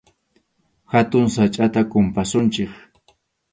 Hatun sachʼata kumpasunchik.